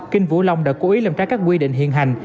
kinh vũ long đã cố ý làm trái các quy định hiện hành